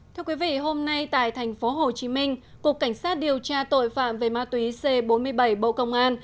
thưa quý vị hôm nay tại thành phố hồ chí minh cục cảnh sát điều tra tội phạm về ma túy c bốn mươi bảy bộ công an